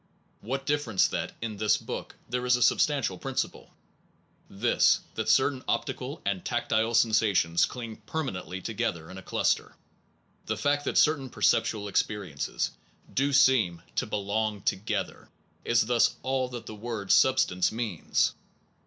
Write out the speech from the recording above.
What difference that in this book there is a substantial principle? This, that certain optical and tactile sensations cling permanently together in a cluster. The fact that certain perceptual experiences do seern to belong to gether is thus all that the word substance means.